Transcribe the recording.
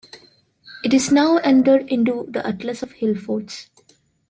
It is now entered into the Atlas of Hillforts.